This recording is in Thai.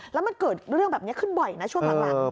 แล้วมันเกิดเรื่องแบบนี้ขึ้นบ่อยนะช่วงหลัง